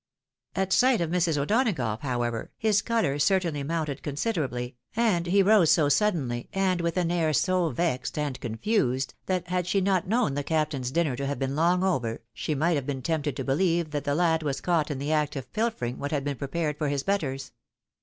At sight of Mrs. O'Donagough, however, liis colour certainly mounted considerably, and he rose so suddenly, and with an air so vexed and confused, that had she not known the captain's flinner to have been long over, she might have been tempted to beUeve that the lad was caught in the act of pilfering what had been prepared for his betters.